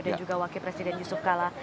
dan juga wakil presiden yusuf kala